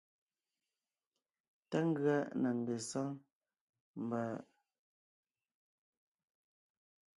Tá ngʉa na ngesáŋ mba am kqm tem jú.